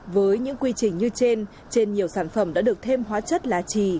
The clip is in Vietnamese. với những quy trình như trên trên nhiều sản phẩm đã được thêm hóa chất lá trì